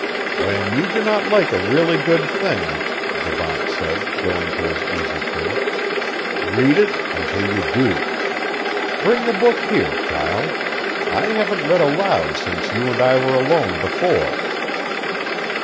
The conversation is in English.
"When you do not like a really good thing," Devant said, going to his easy chair, "read it until you do. Bring the book here, child! I haven't read aloud since you and I were alone before."